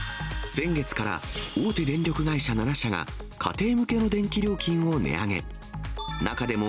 先月から、大手電力会社７社が家庭向けの電気料金を値上げ。